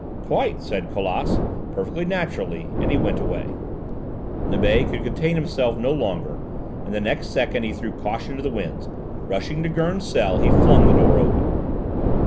"Quite," said Colas, perfectly naturally, and he went away. Nibet could contain himself no longer, and the next second he threw caution to the winds: rushing to Gurn's cell he flung the door open.